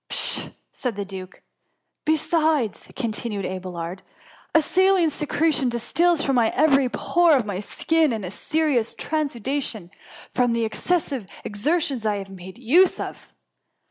''" Pshaw r said the duke. *^ Besides,^ continued Abelard, ^' a saline secretion distils from every pore of my skin, in a serous transudation, from the excessive ex ertions I have made use of.